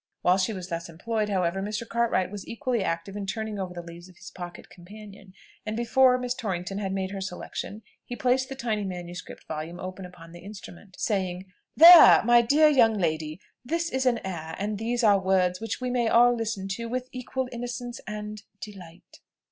While she was thus employed, however, Mr. Cartwright was equally active in turning over the leaves of his pocket companion; and before Miss Torrington had made her selection, he placed the tiny manuscript volume open upon the instrument, saying, "There, my dear young lady! this is an air, and these are words which we may all listen to with equal innocence and delight."